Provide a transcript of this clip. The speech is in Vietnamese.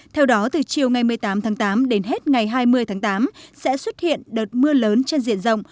theo đó từ chiều ngày một mươi tám tháng tám đến hết ngày hai mươi tháng tám sẽ xuất hiện đợt mưa lớn trên diện rộng